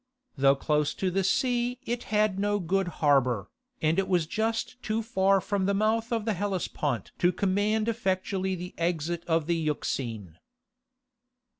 Though close to the sea it had no good harbour, and it was just too far from the mouth of the Hellespont to command effectually the exit of the Euxine.